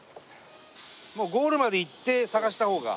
もうゴールまで行って探した方が。